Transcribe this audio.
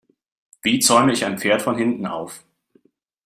Wie zäume ich ein Pferd von hinten auf?